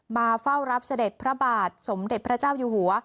มาเฝ้ารับเสด็จพระบาทสมเด็จพระเจ้าอยู่หัว